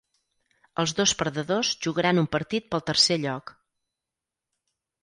Els dos perdedors jugaran un partit pel tercer lloc.